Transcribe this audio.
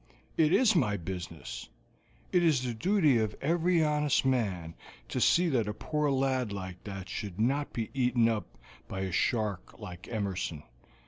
"It is my business; it is the duty of every honest man to see that a poor lad like that should not be eaten up by a shark like Emerson.